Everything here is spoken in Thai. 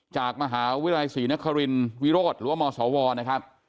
จากมหาวิทยาลัยศรีนครินวิโรธหรือว่ามศวนะครับ